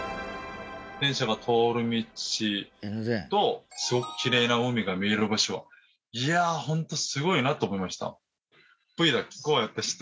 電車が通る道とすごくきれいな海が見える場所はいやホント。